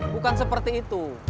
bukan seperti itu